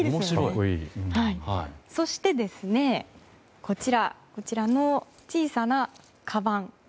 そして、こちらの小さなかばん。